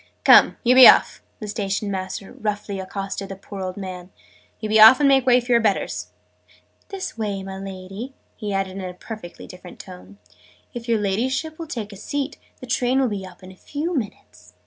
"Come, you be off!" the Station master roughly accosted the poor old man. "You be off, and make way for your betters! This way, my Lady!" he added in a perfectly different tone. "If your Ladyship will take a seat, the train will be up in a few minutes."